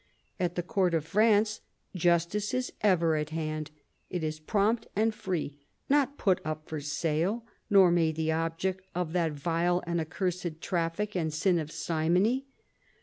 At the court of France justice is ever at hand ; it is prompt and free, not put up for sale, nor made the object of that vile and accursed traffic and sin of simony.